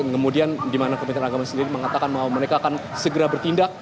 kemudian di mana kementerian agama sendiri mengatakan bahwa mereka akan segera bertindak